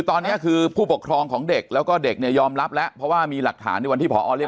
ตอนนี้คือผู้ปกครองของเด็กแล้วก็เด็กหยอมรับแล้วเพราะว่ามีหลักฐาน